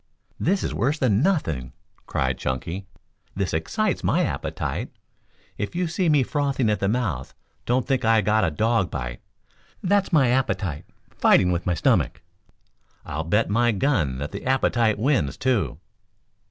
"This is worse than nothing," cried Chunky. "This excites my appetite. If you see me frothing at the mouth don't think I've got a dog bite. That's my appetite fighting with my stomach. I'll bet my gun that the appetite wins too."